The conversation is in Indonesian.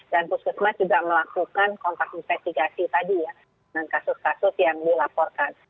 dan khususnya juga melakukan kontak investigasi tadi ya dengan kasus kasus yang dilaporkan